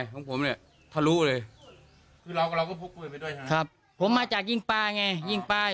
เหตุการณ์เราก็จะยังไงครับ